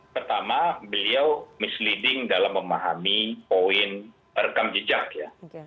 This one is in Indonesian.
pertama beliau misleading dalam memahami poin rekam jejak ya